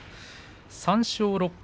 ３勝６敗